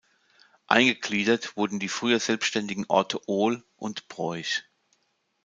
Eingegliedert wurden die früher selbständigen Orte Ohl und Broich.